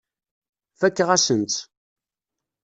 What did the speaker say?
Fakeɣ-asen-tt.